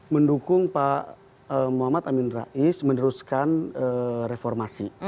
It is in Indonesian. mendukung pak muhammad amin rais meneruskan reformasi